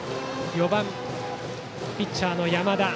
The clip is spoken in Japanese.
４番、ピッチャーの山田。